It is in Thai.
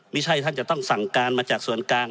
ไม่ใช่ท่านจะต้องสั่งการมาจากส่วนกลาง